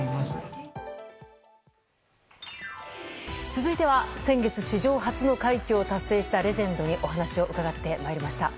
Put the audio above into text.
続いては先月、史上初の快挙を達成したレジェンドにお話を伺ってまいりました。